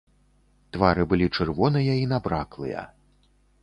Твары былі чырвоныя і набраклыя.